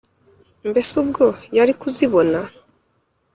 mbese ubwo yari kuzibona?